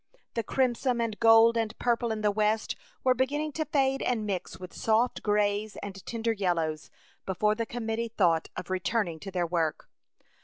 The crimson A Chautauqua Idyl. 6i and gold and purple in the west were beginning to fade and mix with soft greys and tender yellows, before the committee thought of returning to their work.